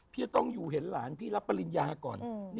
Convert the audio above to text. จะต้องอยู่เห็นหลานพี่รับปริญญาก่อน